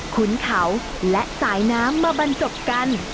ขุนเขาและสายน้ำมาบรรจบกัน